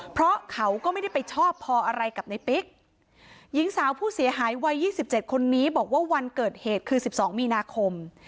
เพราะเขาก็ไม่ได้ไปชอบพออะไรกับในปิ๊กหญิงสาวผู้เสียหายวัย๒๗คนนี้บอกว่าวันเกิดเหตุคือ๑๒มีนาคม